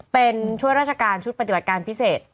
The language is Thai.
เป็นช่วยราชการชุดปฏิบัติการพิเศษ